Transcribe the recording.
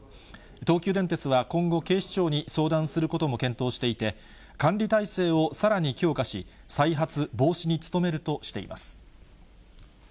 東急電鉄は今後、警視庁に相談することも検討していて、管理体制をさらに強化し、再発防止に努めるとしています。